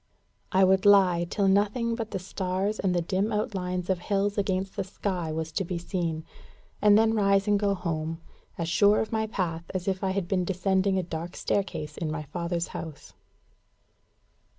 I would lie till nothing but the stars and the dim outlines of hills against the sky was to be seen, and then rise and go home, as sure of my path as if I had been descending a dark staircase in my father's house.